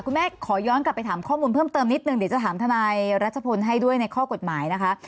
ขอย้อนกลับไปถามข้อมูลเพิ่มเติมนิดนึงเดี๋ยวจะถามทนายรัชพลให้ด้วยในข้อกฎหมายนะคะ